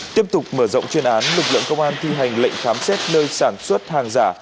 tiếp tục mở rộng chuyên án lực lượng công an thi hành lệnh khám xét nơi sản xuất hàng giả